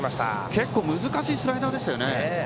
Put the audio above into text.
結構、難しいスライダーでした。